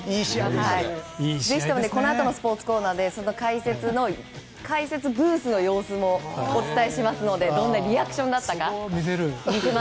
このあとのスポーツコーナーで解説ブースの様子もお伝えしますのでどんなリアクションがあったか。